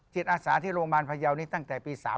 อาสาที่โรงพยาบาลพยาวนี้ตั้งแต่ปี๓๔